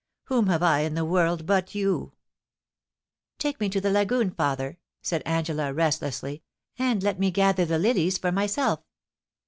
Whom have I in the world but you ? *Take me to the lagoon, father,' said Angela, restlessly, *and let me gather the lilies for myself.'